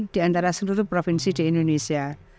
di antara seluruh provinsi di indonesia